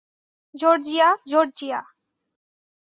Georgia, Georgia!